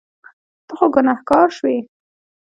ته خو ګناهګار شوې.